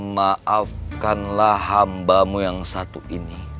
maafkanlah hambamu yang satu ini